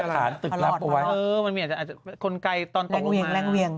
ตอนตกลงมาแรงเวียงแรงเวียง